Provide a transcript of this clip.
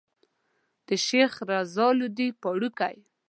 د شيخ رضی لودي پاړکی.